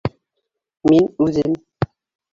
Мин үҙем!